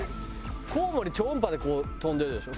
コウモリ超音波でこう飛んでるでしょ？